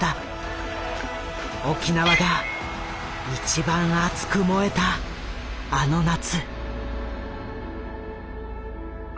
沖縄が一番熱く燃えたあの夏。